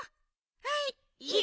はい。